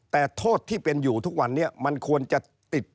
แต่โทษที่เป็นอยู่ทุกวันนี้มันควรจะติด